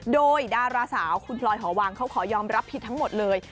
โดยดาราสาวคุณพลอยหอวังเขาขอยอมรับผิดทั้งหมดเลย